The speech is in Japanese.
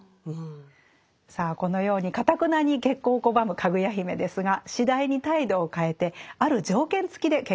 さあこのようにかたくなに結婚を拒むかぐや姫ですが次第に態度を変えてある条件付きで結婚を承諾します。